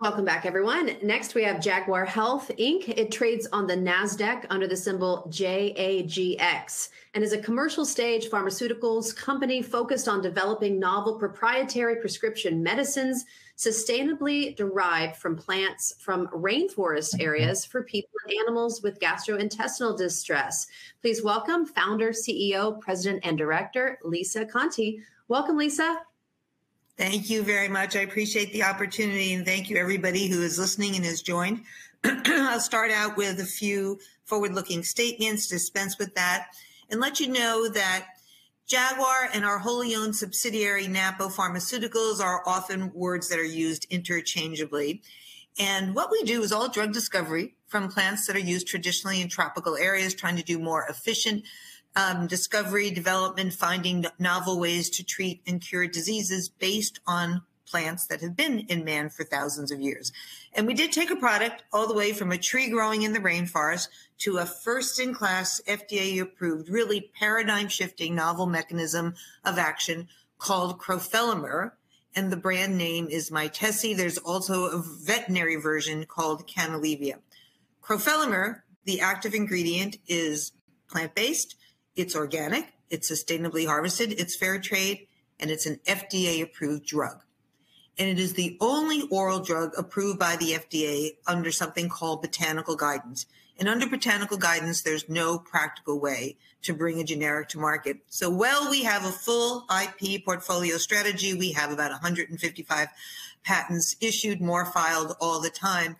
Welcome back, everyone. Next, we have Jaguar Health, Inc. It trades on the Nasdaq under the symbol JAGX and is a commercial-stage pharmaceuticals company focused on developing novel proprietary prescription medicines sustainably derived from plants from rainforest areas for people and animals with gastrointestinal distress. Please welcome Founder, CEO, President, and Director, Lisa Conte. Welcome, Lisa. Thank you very much. I appreciate the opportunity, and thank you, everybody who is listening and has joined. I'll start out with a few forward-looking statements, dispense with that, and let you know that Jaguar and our wholly-owned subsidiary, Napo Pharmaceuticals, are often words that are used interchangeably, and what we do is all drug discovery from plants that are used traditionally in tropical areas, trying to do more efficient discovery, development, finding novel ways to treat and cure diseases based on plants that have been in man for thousands of years, and we did take a product all the way from a tree growing in the rainforest to a first-in-class, FDA-approved, really paradigm-shifting novel mechanism of action called crofelemer, and the brand name is Mytesi. There's also a veterinary version called Canalevia. Crofelemer, the active ingredient, is plant-based. It's organic. It's sustainably harvested. It's fair trade. It's an FDA-approved drug. It is the only oral drug approved by the FDA under something called botanical guidance. Under botanical guidance, there's no practical way to bring a generic to market. While we have a full IP portfolio strategy, we have about 155 patents issued, more filed all the time.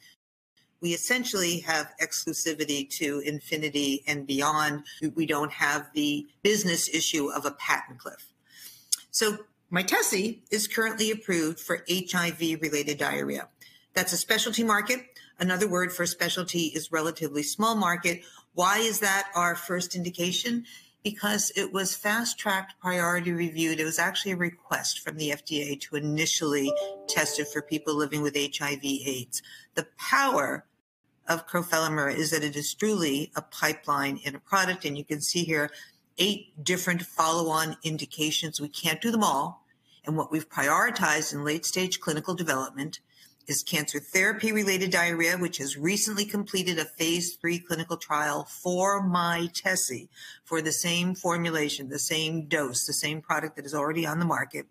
We essentially have exclusivity to infinity and beyond. We don't have the business issue of a patent cliff. Mytesi is currently approved for HIV-related diarrhea. That's a specialty market. Another word for specialty is relatively small market. Why is that our first indication? Because it was fast-tracked, priority reviewed. It was actually a request from the FDA to initially test it for people living with HIV/AIDS. The power of crofelemer is that it is truly a pipeline and a product. You can see here eight different follow-on indications. We can't do them all. And what we've prioritized in late-stage clinical development is cancer therapy-related diarrhea, which has recently completed a phase III clinical trial for Mytesi for the same formulation, the same dose, the same product that is already on the market,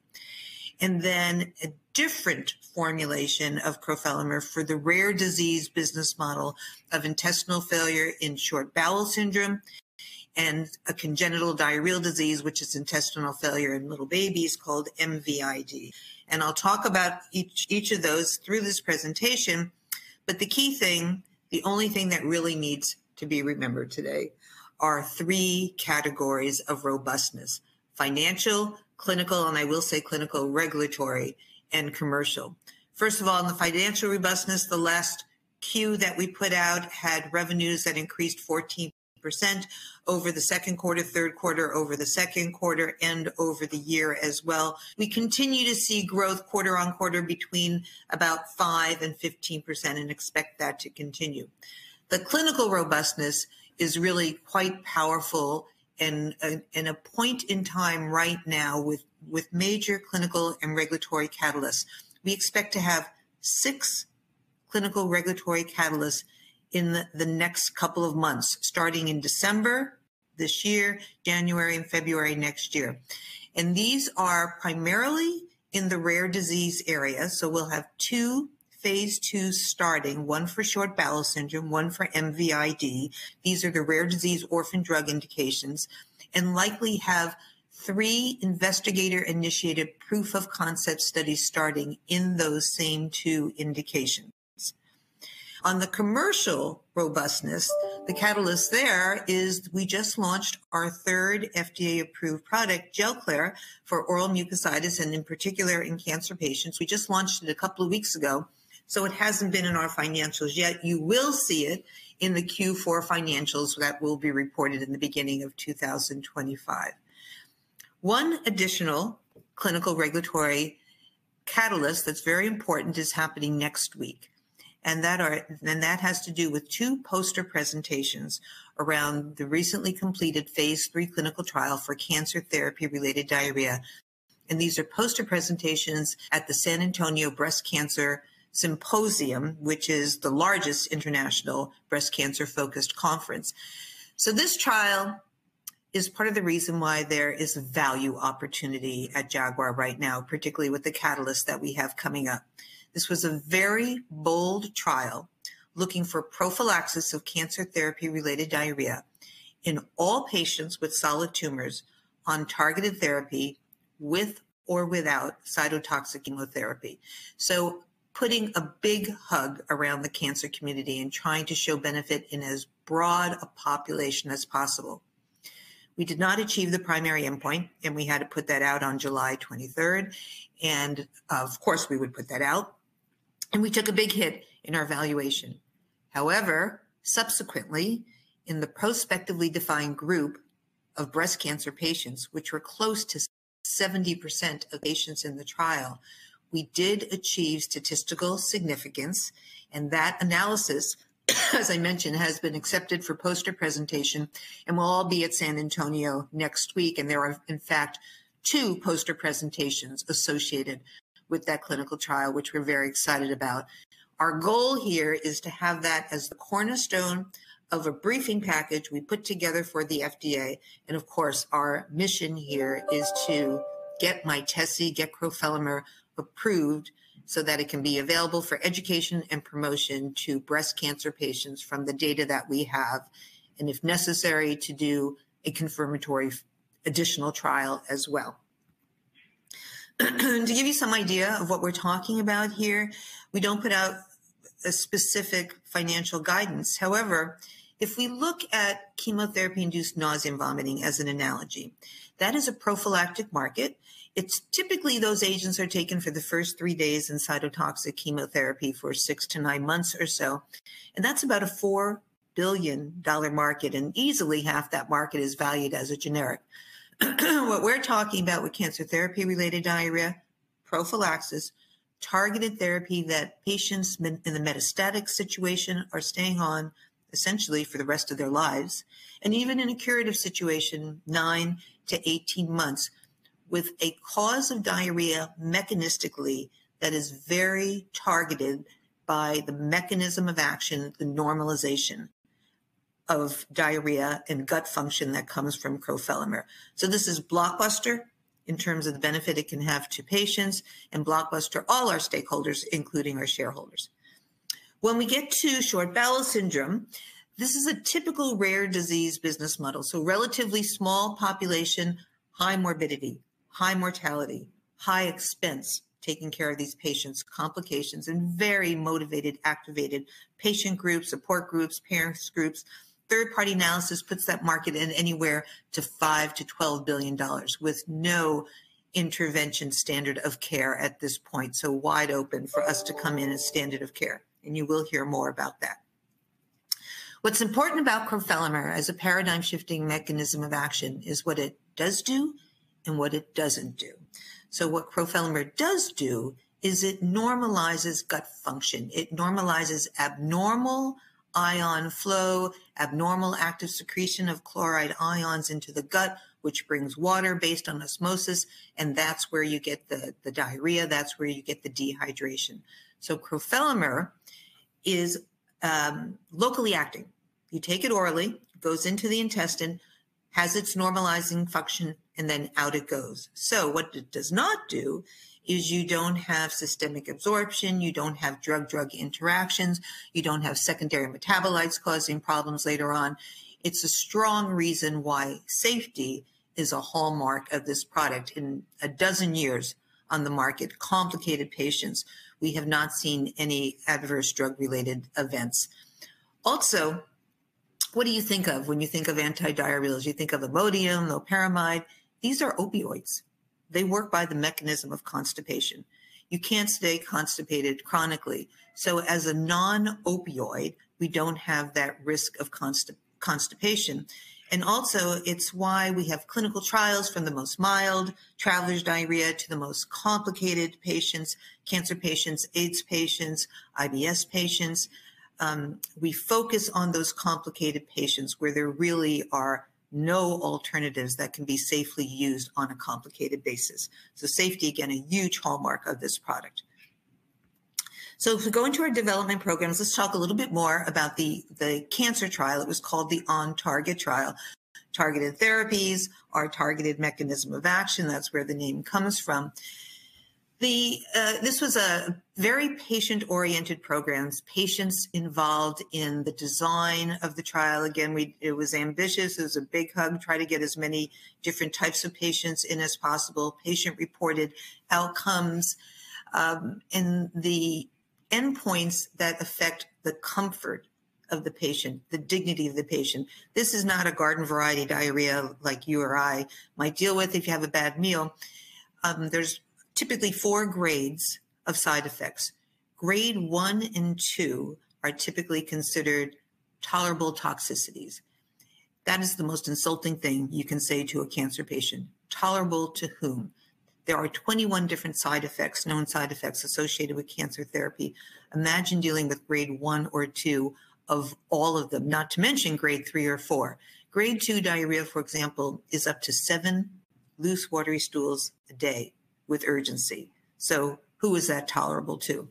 and then a different formulation of crofelemer for the rare disease business model of intestinal failure in short bowel syndrome and a congenital diarrheal disease, which is intestinal failure in little babies called MVID. And I'll talk about each of those through this presentation. But the key thing, the only thing that really needs to be remembered today, are three categories of robustness: financial, clinical, and I will say clinical, regulatory, and commercial. First of all, in the financial robustness, the last Q that we put out had revenues that increased 14% over the second quarter, third quarter, over the second quarter, and over the year as well. We continue to see growth quarter on quarter between about 5% and 15% and expect that to continue. The clinical robustness is really quite powerful and at a point in time right now with major clinical and regulatory catalysts. We expect to have six clinical regulatory catalysts in the next couple of months, starting in December this year, January, and February next year. And these are primarily in the rare disease area. So we'll have two phase II starting, one for short bowel syndrome, one for MVID. These are the rare disease orphan drug indications and likely have three investigator-initiated proof-of-concept studies starting in those same two indications. On the commercial robustness, the catalyst there is we just launched our third FDA-approved product, Gelclair, for oral mucositis and in particular in cancer patients. We just launched it a couple of weeks ago. So it hasn't been in our financials yet. You will see it in the Q4 financials that will be reported in the beginning of 2025. One additional clinical regulatory catalyst that's very important is happening next week. And that has to do with two poster presentations around the recently completed phase III clinical trial for cancer therapy-related diarrhea. And these are poster presentations at the San Antonio Breast Cancer Symposium, which is the largest international breast cancer-focused conference. So this trial is part of the reason why there is value opportunity at Jaguar right now, particularly with the catalyst that we have coming up. This was a very bold trial looking for prophylaxis of cancer therapy-related diarrhea in all patients with solid tumors on targeted therapy with or without cytotoxic chemotherapy, so putting a big hug around the cancer community and trying to show benefit in as broad a population as possible. We did not achieve the primary endpoint, and we had to put that out on July 23rd, and of course, we would put that out, and we took a big hit in our valuation. However, subsequently, in the prospectively defined group of breast cancer patients, which were close to 70% of patients in the trial, we did achieve statistical significance, and that analysis, as I mentioned, has been accepted for poster presentation and will all be at San Antonio next week, and there are, in fact, two poster presentations associated with that clinical trial, which we're very excited about. Our goal here is to have that as the cornerstone of a briefing package we put together for the FDA. Of course, our mission here is to get Mytesi, get crofelemer approved so that it can be available for education and promotion to breast cancer patients from the data that we have, and if necessary, to do a confirmatory additional trial as well. To give you some idea of what we're talking about here, we don't put out a specific financial guidance. However, if we look at chemotherapy-induced nausea and vomiting as an analogy, that is a prophylactic market. It's typically those agents are taken for the first three days in cytotoxic chemotherapy for six to nine months or so. That's about a $4 billion market. Easily half that market is valued as a generic. What we're talking about with cancer therapy-related diarrhea, prophylaxis, targeted therapy that patients in the metastatic situation are staying on essentially for the rest of their lives, and even in a curative situation, nine to 18 months, with a cause of diarrhea mechanistically that is very targeted by the mechanism of action, the normalization of diarrhea and gut function that comes from crofelemer. So this is blockbuster in terms of the benefit it can have to patients and blockbuster all our stakeholders, including our shareholders. When we get to short bowel syndrome, this is a typical rare disease business model. So relatively small population, high morbidity, high mortality, high expense taking care of these patients, complications, and very motivated, activated patient groups, support groups, parents' groups. Third-party analysis puts that market in anywhere to $5 to $12 billion with no intervention standard of care at this point. So wide open for us to come in as standard of care. And you will hear more about that. What's important about crofelemer as a paradigm-shifting mechanism of action is what it does do and what it doesn't do. So what crofelemer does do is it normalizes gut function. It normalizes abnormal ion flow, abnormal active secretion of chloride ions into the gut, which brings water based on osmosis. And that's where you get the diarrhea. That's where you get the dehydration. So crofelemer is locally acting. You take it orally, goes into the intestine, has its normalizing function, and then out it goes. So what it does not do is you don't have systemic absorption. You don't have drug-drug interactions. You don't have secondary metabolites causing problems later on. It's a strong reason why safety is a hallmark of this product. In a dozen years on the market, complicated patients, we have not seen any adverse drug-related events. Also, what do you think of when you think of anti-diarrheal? You think of Imodium, loperamide. These are opioids. They work by the mechanism of constipation. You can't stay constipated chronically. So as a non-opioid, we don't have that risk of constipation. And also, it's why we have clinical trials from the most mild traveler's diarrhea to the most complicated patients, cancer patients, AIDS patients, IBS patients. We focus on those complicated patients where there really are no alternatives that can be safely used on a complicated basis. So safety, again, a huge hallmark of this product. So if we go into our development programs, let's talk a little bit more about the cancer trial. It was called the OnTarget Trial. Targeted therapies are targeted mechanism of action. That's where the name comes from. This was a very patient-oriented program. Patients involved in the design of the trial. Again, it was ambitious. It was a big hug, trying to get as many different types of patients in as possible, patient-reported outcomes, and the endpoints that affect the comfort of the patient, the dignity of the patient. This is not a garden-variety diarrhea like you or I might deal with if you have a bad meal. There's typically four grades of side effects. Grade one and two are typically considered tolerable toxicities. That is the most insulting thing you can say to a cancer patient. Tolerable to whom? There are 21 different side effects, known side effects associated with cancer therapy. Imagine dealing with grade one or two of all of them, not to mention grade three or four. Grade two diarrhea, for example, is up to seven loose, watery stools a day with urgency. So who is that tolerable to?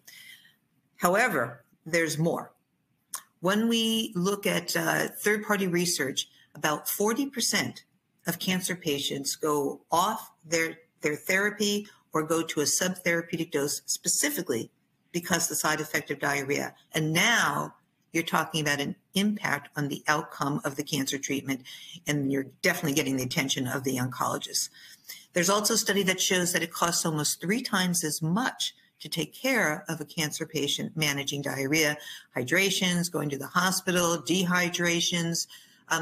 However, there's more. When we look at third-party research, about 40% of cancer patients go off their therapy or go to a subtherapeutic dose specifically because of the side effect of diarrhea. And now you're talking about an impact on the outcome of the cancer treatment. And you're definitely getting the attention of the oncologist. There's also a study that shows that it costs almost three times as much to take care of a cancer patient managing diarrhea, hydrations, going to the hospital, dehydrations.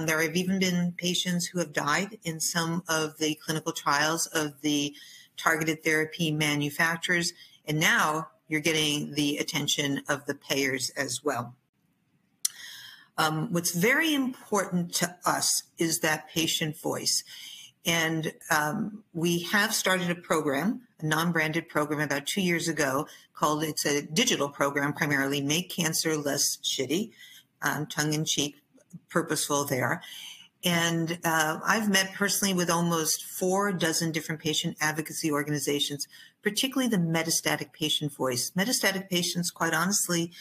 There have even been patients who have died in some of the clinical trials of the targeted therapy manufacturers. And now you're getting the attention of the payers as well. What's very important to us is that patient voice. We have started a program, a non-branded program, about two years ago called, it's a digital program, primarily Make Cancer Less Shitty, tongue-in-cheek, purposeful there. I've met personally with almost four dozen different patient advocacy organizations, particularly the metastatic patient voice. Metastatic patients, quite honestly,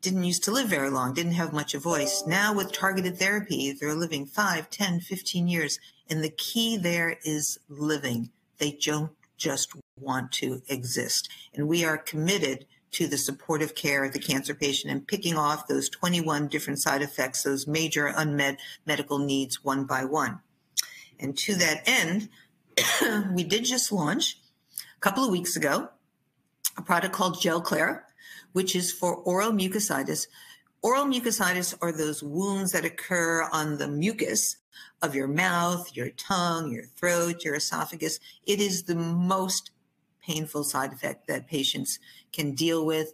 didn't used to live very long, didn't have much of a voice. Now with targeted therapy, they're living five, 10, 15 years. The key there is living. They don't just want to exist. We are committed to the supportive care of the cancer patient and picking off those 21 different side effects, those major unmet medical needs one by one. To that end, we did just launch a couple of weeks ago a product called Gelclair, which is for oral mucositis. Oral mucositis are those wounds that occur on the mucus of your mouth, your tongue, your throat, your esophagus. It is the most painful side effect that patients can deal with: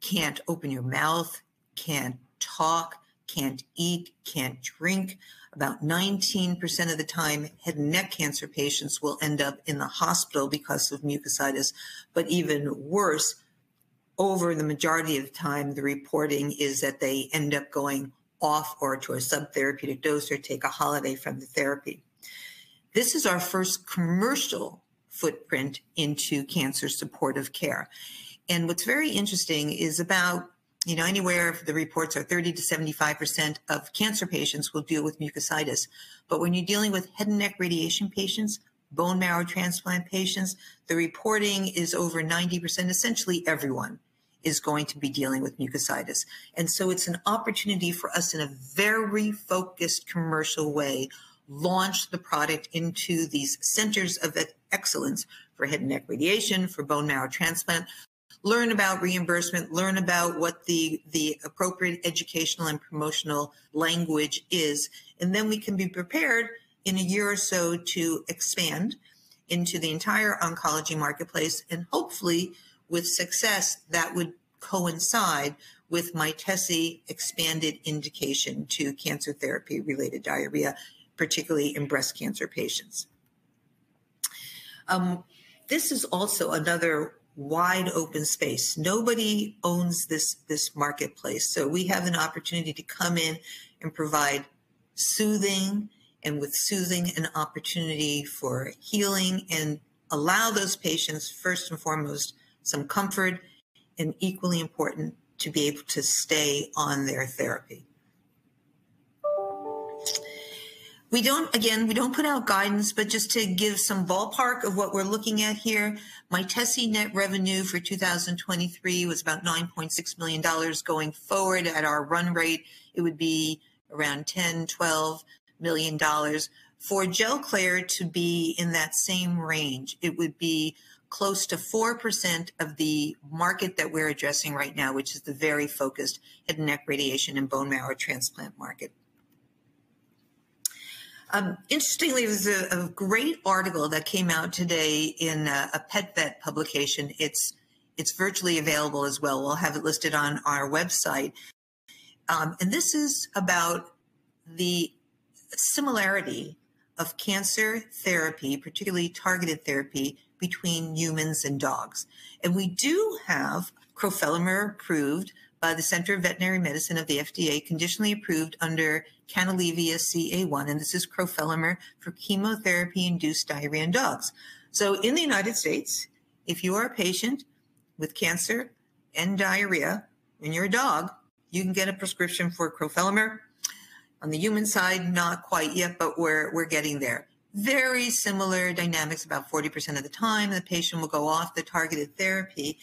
can't open your mouth, can't talk, can't eat, can't drink. About 19% of the time, head and neck cancer patients will end up in the hospital because of mucositis. But even worse, over the majority of the time, the reporting is that they end up going off or to a subtherapeutic dose or take a holiday from the therapy. This is our first commercial footprint into cancer supportive care, and what's very interesting is about anywhere the reports are 30%-75% of cancer patients will deal with mucositis. But when you're dealing with head and neck radiation patients, bone marrow transplant patients, the reporting is over 90%. Essentially, everyone is going to be dealing with mucositis. And so it's an opportunity for us in a very focused commercial way to launch the product into these centers of excellence for head and neck radiation, for bone marrow transplant, learn about reimbursement, learn about what the appropriate educational and promotional language is. And then we can be prepared in a year or so to expand into the entire oncology marketplace. And hopefully, with success, that would coincide with Mytesi expanded indication to cancer therapy-related diarrhea, particularly in breast cancer patients. This is also another wide open space. Nobody owns this marketplace. So we have an opportunity to come in and provide soothing and with soothing an opportunity for healing and allow those patients, first and foremost, some comfort and equally important to be able to stay on their therapy. Again, we don't put out guidance, but just to give some ballpark of what we're looking at here, Mytesi net revenue for 2023 was about $9.6 million going forward. At our run rate, it would be around $10-$12 million. For Gelclair to be in that same range, it would be close to 4% of the market that we're addressing right now, which is the very focused head and neck radiation and bone marrow transplant market. Interestingly, there's a great article that came out today in a PetVet publication. It's virtually available as well. We'll have it listed on our website. And this is about the similarity of cancer therapy, particularly targeted therapy, between humans and dogs. And we do have crofelemer approved by the Center for Veterinary Medicine of the FDA, conditionally approved under Canalevia-CA1. And this is crofelemer for chemotherapy-induced diarrhea in dogs. In the United States, if you are a patient with cancer and diarrhea and you're a dog, you can get a prescription for crofelemer. On the human side, not quite yet, but we're getting there. Very similar dynamics about 40% of the time. The patient will go off the targeted therapy.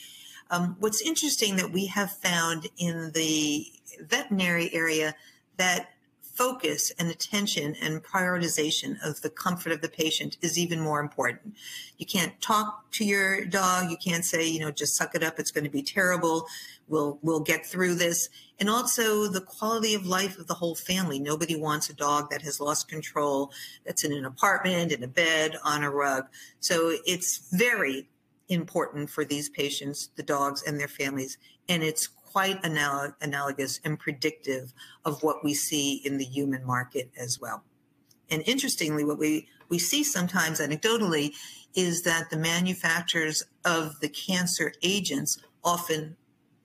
What's interesting that we have found in the veterinary area that focus and attention and prioritization of the comfort of the patient is even more important. You can't talk to your dog. You can't say, "Just suck it up. It's going to be terrible. We'll get through this." And also the quality of life of the whole family. Nobody wants a dog that has lost control that's in an apartment, in a bed, on a rug. So it's very important for these patients, the dogs and their families. It's quite analogous and predictive of what we see in the human market as well. And interestingly, what we see sometimes anecdotally is that the manufacturers of the cancer agents often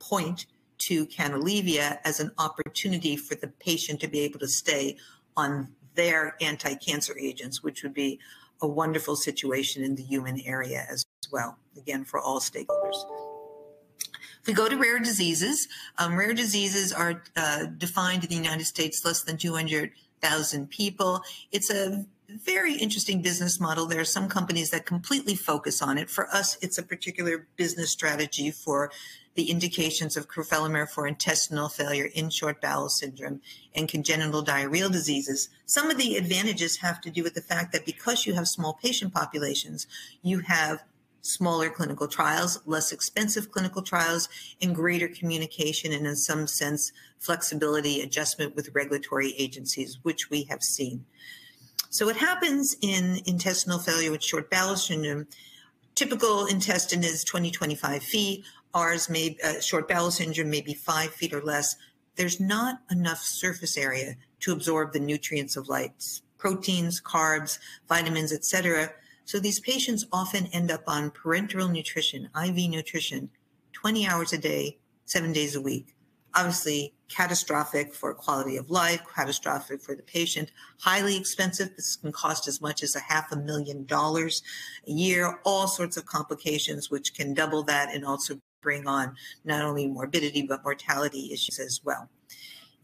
point to Canalevia as an opportunity for the patient to be able to stay on their anticancer agents, which would be a wonderful situation in the human area as well, again, for all stakeholders. If we go to rare diseases, rare diseases are defined in the United States as less than 200,000 people. It's a very interesting business model. There are some companies that completely focus on it. For us, it's a particular business strategy for the indications of crofelemer for intestinal failure, short bowel syndrome, and congenital diarrheal diseases. Some of the advantages have to do with the fact that because you have small patient populations, you have smaller clinical trials, less expensive clinical trials, and greater communication and in some sense flexibility, adjustment with regulatory agencies, which we have seen. What happens in intestinal failure with short bowel syndrome? Typical intestine is 20 to 25 feet. Short bowel syndrome may be five feet or less. There's not enough surface area to absorb the nutrients like fats, proteins, carbs, vitamins, etc. So these patients often end up on parenteral nutrition, IV nutrition, 20 hours a day, seven days a week. Obviously, catastrophic for quality of life, catastrophic for the patient, highly expensive. This can cost as much as $500,000 a year, all sorts of complications, which can double that and also bring on not only morbidity but mortality issues as well.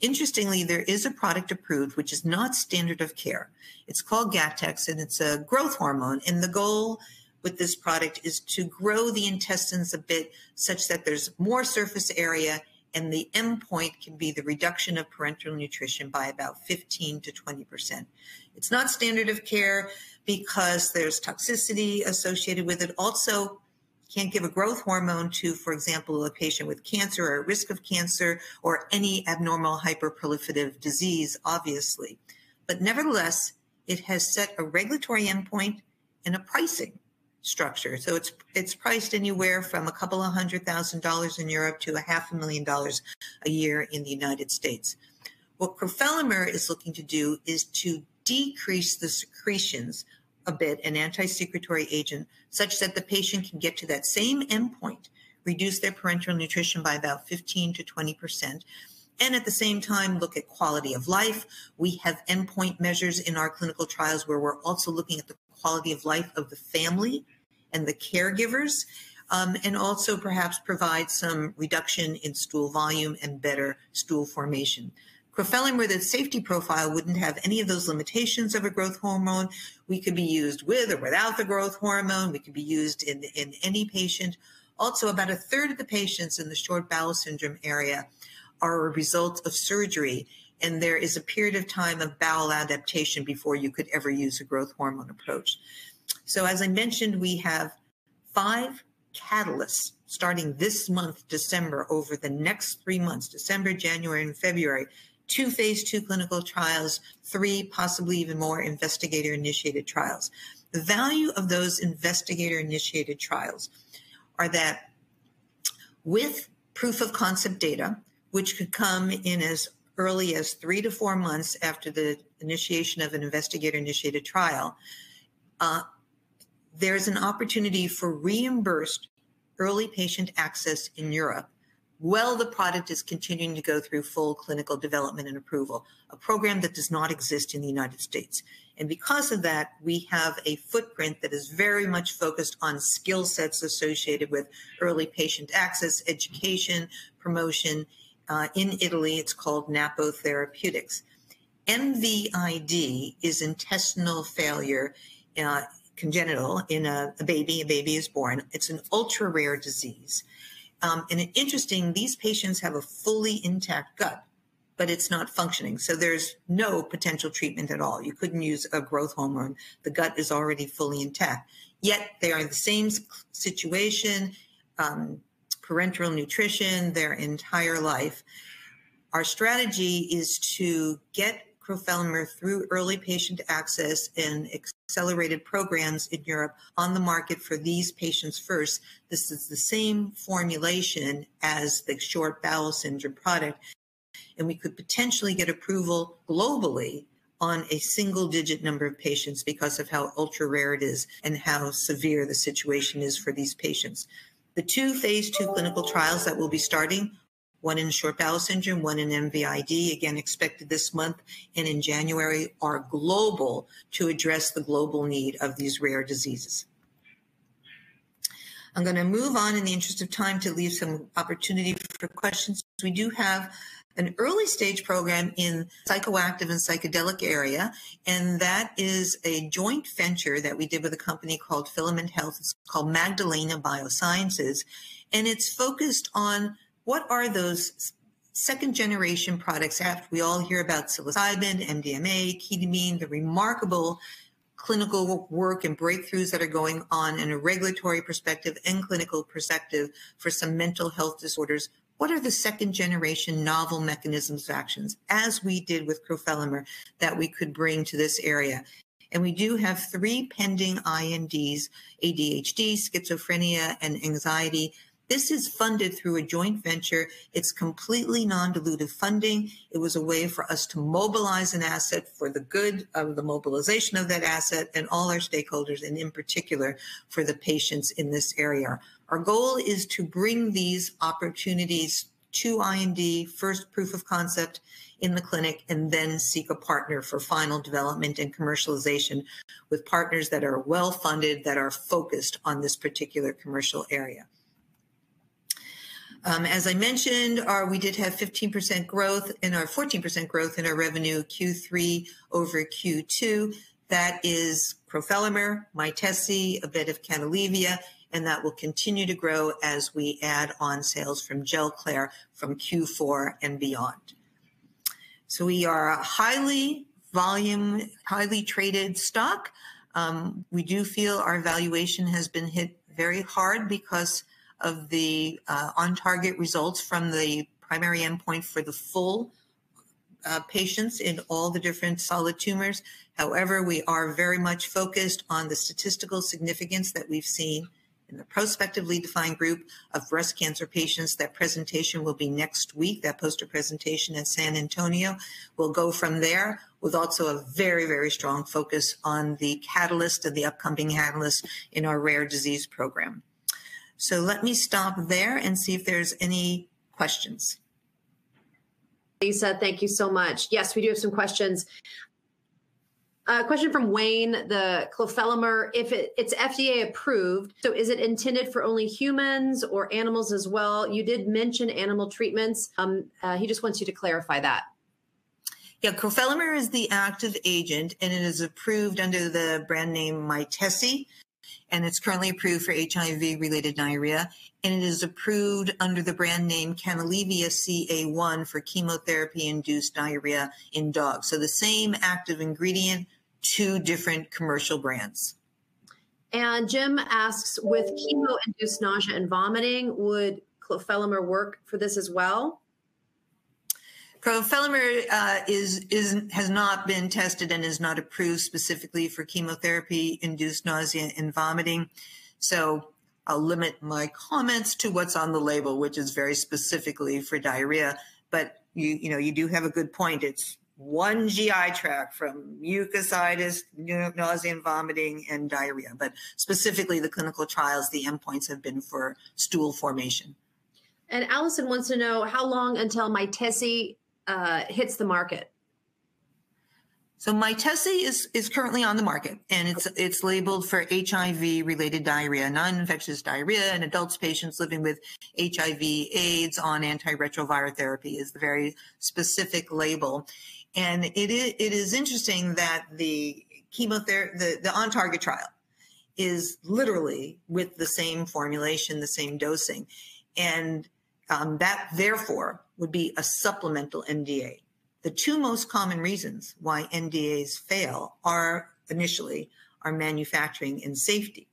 Interestingly, there is a product approved which is not standard of care. It's called Gattex, and it's a growth hormone. And the goal with this product is to grow the intestines a bit such that there's more surface area and the endpoint can be the reduction of parenteral nutrition by about 15%-20%. It's not standard of care because there's toxicity associated with it. Also, can't give a growth hormone to, for example, a patient with cancer or a risk of cancer or any abnormal hyperproliferative disease, obviously. But nevertheless, it has set a regulatory endpoint and a pricing structure. So it's priced anywhere from $200,000 in Europe to $500,000 a year in the United States. What crofelemer is looking to do is to decrease the secretions a bit, an antisecretory agent, such that the patient can get to that same endpoint, reduce their parenteral nutrition by about 15%-20%, and at the same time, look at quality of life. We have endpoint measures in our clinical trials where we're also looking at the quality of life of the family and the caregivers and also perhaps provide some reduction in stool volume and better stool formation. Crofelemer, the safety profile, wouldn't have any of those limitations of a growth hormone. We could be used with or without the growth hormone. We could be used in any patient. Also, about a third of the patients in the short bowel syndrome area are a result of surgery, and there is a period of time of bowel adaptation before you could ever use a growth hormone approach. As I mentioned, we have five catalysts starting this month, December, over the next three months, December, January, and February, two phase II clinical trials, three, possibly even more investigator-initiated trials. The value of those investigator-initiated trials is that with proof of concept data, which could come in as early as three to four months after the initiation of an investigator-initiated trial, there is an opportunity for reimbursed early patient access in Europe while the product is continuing to go through full clinical development and approval, a program that does not exist in the United States. Because of that, we have a footprint that is very much focused on skill sets associated with early patient access, education, promotion. In Italy, it is called Napo Therapeutics. MVID is intestinal failure congenital in a baby. A baby is born. It is an ultra-rare disease. Interesting, these patients have a fully intact gut, but it's not functioning. So there's no potential treatment at all. You couldn't use a growth hormone. The gut is already fully intact. Yet they are in the same situation, parenteral nutrition their entire life. Our strategy is to get crofelemer through early patient access and accelerated programs in Europe on the market for these patients first. This is the same formulation as the short bowel syndrome product. We could potentially get approval globally on a single-digit number of patients because of how ultra-rare it is and how severe the situation is for these patients. The two phase II clinical trials that we'll be starting, one in short bowel syndrome, one in MVID, again, expected this month and in January, are global to address the global need of these rare diseases. I'm going to move on in the interest of time to leave some opportunity for questions. We do have an early stage program in the psychoactive and psychedelic area. That is a joint venture that we did with a company called Filament Health. It's called Magdalena Biosciences. It's focused on what are those second-generation products after we all hear about psilocybin, MDMA, ketamine, the remarkable clinical work and breakthroughs that are going on in a regulatory perspective and clinical perspective for some mental health disorders. What are the second-generation novel mechanisms of actions as we did with crofelemer that we could bring to this area? We do have three pending INDs: ADHD, schizophrenia, and anxiety. This is funded through a joint venture. It's completely non-dilutive funding. It was a way for us to mobilize an asset for the good of the mobilization of that asset and all our stakeholders and in particular for the patients in this area. Our goal is to bring these opportunities to IND, first proof of concept in the clinic, and then seek a partner for final development and commercialization with partners that are well-funded that are focused on this particular commercial area. As I mentioned, we did have 15% growth in our revenue Q3 over Q2. That is crofelemer, Mytesi, a bit of Canalevia, and that will continue to grow as we add on sales from Gelclair from Q4 and beyond. So we are a high-volume, highly traded stock. We do feel our valuation has been hit very hard because of the OnTarget results from the primary endpoint for the full patients in all the different solid tumors. However, we are very much focused on the statistical significance that we've seen in the prospectively defined group of breast cancer patients. That presentation will be next week. That poster presentation at San Antonio will go from there with also a very, very strong focus on the catalyst and the upcoming catalyst in our rare disease program. So let me stop there and see if there's any questions. Lisa, thank you so much. Yes, we do have some questions. A question from Wayne, the crofelemer. If it's FDA approved, so is it intended for only humans or animals as well? You did mention animal treatments. He just wants you to clarify that. Yeah, crofelemer is the active agent, and it is approved under the brand name Mytesi, and it's currently approved for HIV-related diarrhea. And it is approved under the brand name Canalevia-CA1 for chemotherapy-induced diarrhea in dogs. So the same active ingredient, two different commercial brands. And Jim asks, with chemo-induced nausea and vomiting, would crofelemer work for this as well? Crofelemer has not been tested and is not approved specifically for chemotherapy-induced nausea and vomiting. So I'll limit my comments to what's on the label, which is very specifically for diarrhea. But you do have a good point. It's one GI tract from mucositis, nausea and vomiting, and diarrhea. But specifically, the clinical trials, the endpoints have been for stool formation. And Allison wants to know how long until Mytesi hits the market. Mytesi is currently on the market, and it's labeled for HIV-related diarrhea, non-infectious diarrhea in adult patients living with HIV/AIDS on antiretroviral therapy is the very specific label. It is interesting that the OnTarget trial is literally with the same formulation, the same dosing. And that therefore would be a supplemental NDA. The two most common reasons why NDAs fail are initially our manufacturing and safety.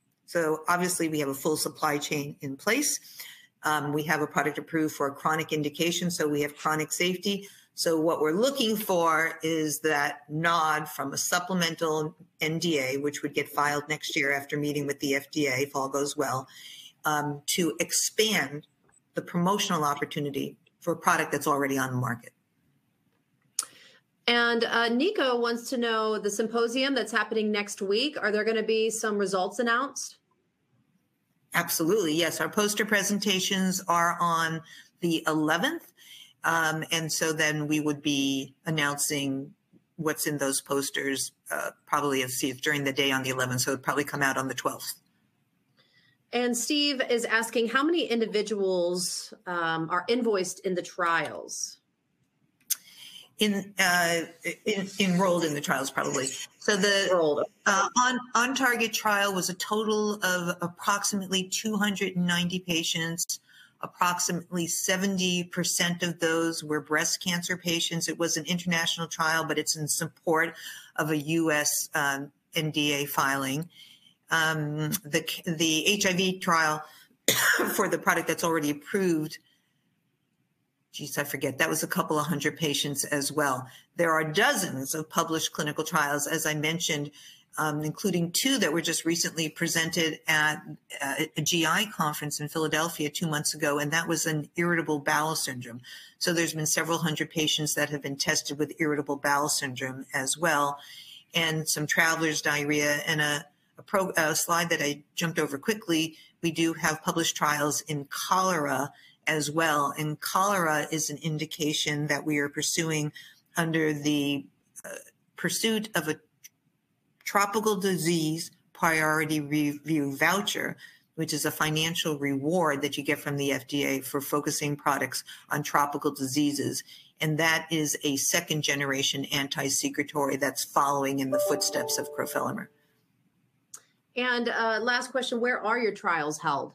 Obviously, we have a full supply chain in place. We have a product approved for chronic indication. So we have chronic safety. What we're looking for is that nod from a supplemental NDA, which would get filed next year after meeting with the FDA if all goes well, to expand the promotional opportunity for a product that's already on the market. And Niko wants to know the symposium that's happening next week. Are there going to be some results announced? Absolutely. Yes. Our poster presentations are on the 11th, and so then we would be announcing what's in those posters probably during the day on the 11th. So it would probably come out on the 12th, and Steve is asking how many individuals are invoiced in the trials? Enrolled in the trials probably, so the OnTarget trial was a total of approximately 290 patients. Approximately 70% of those were breast cancer patients. It was an international trial, but it's in support of a U.S. NDA filing. The HIV trial for the product that's already approved, geez, I forget. That was a couple of hundred patients as well. There are dozens of published clinical trials, as I mentioned, including two that were just recently presented at a GI conference in Philadelphia two months ago. That was an irritable bowel syndrome. There has been several hundred patients that have been tested with irritable bowel syndrome as well and some travelers' diarrhea. A slide that I jumped over quickly, we do have published trials in cholera as well. Cholera is an indication that we are pursuing under the pursuit of a tropical disease Priority Review Voucher, which is a financial reward that you get from the FDA for focusing products on tropical diseases. That is a second-generation antisecretory that's following in the footsteps of crofelemer. Last question, where are your trials held?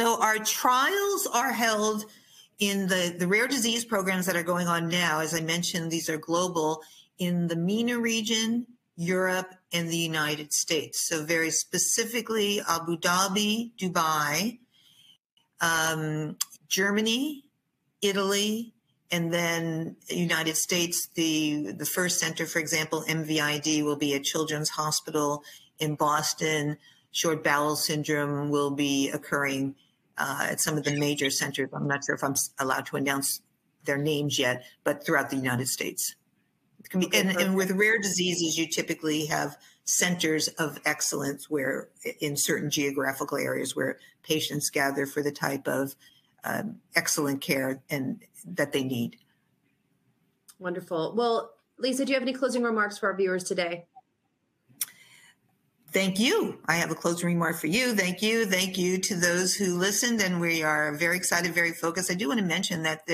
Our trials are held in the rare disease programs that are going on now. As I mentioned, these are global in the MENA region, Europe, and the United States. Very specifically, Abu Dhabi, Dubai, Germany, Italy, and then United States. The first center, for example, MVID will be at Children's Hospital in Boston. Short bowel syndrome will be occurring at some of the major centers. I'm not sure if I'm allowed to announce their names yet, but throughout the United States. And with rare diseases, you typically have centers of excellence in certain geographical areas where patients gather for the type of excellent care that they need. Wonderful. Well, Lisa, do you have any closing remarks for our viewers today? Thank you. I have a closing remark for you. Thank you. Thank you to those who listened. And we are very excited, very focused. I do want to mention that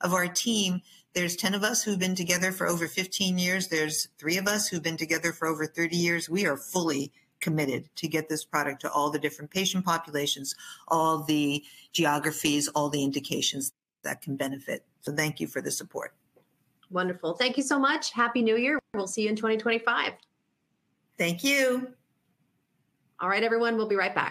of our team, there's 10 of us who've been together for over 15 years. There's three of us who've been together for over 30 years. We are fully committed to get this product to all the different patient populations, all the geographies, all the indications that can benefit. So thank you for the support. Wonderful. Thank you so much. Happy New Year. We'll see you in 2025. Thank you. All right, everyone, we'll be right back.